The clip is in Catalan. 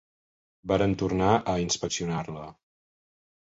Varen tornar a inspeccionar-la